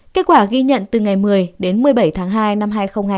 kết quả ghi nhận từ ngày một mươi đến một mươi bảy tháng hai năm hai nghìn hai mươi